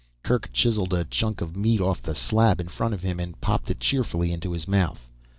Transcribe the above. Kerk chiseled a chunk of meat off the slab in front of him and popped it cheerfully into his mouth.